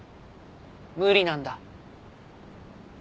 無理なんだ。